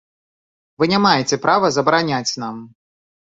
Вы не маеце права забараняць нам.